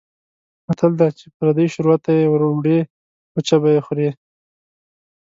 متل دی: چې پردۍ شوروا ته یې وړوې وچه به یې خورې.